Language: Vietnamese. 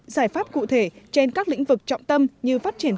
giải pháp cụ thể trên các lĩnh vực trọng tâm như phát triển kinh tế